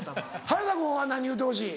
原田君は何言うてほしい？